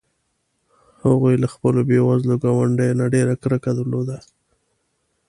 هغوی له خپلو بې وزلو ګاونډیو نه ډېره کرکه درلوده.